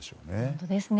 本当ですね。